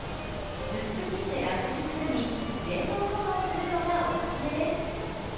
薄く切ってラップにくるみ冷凍保存するのがおすすめです。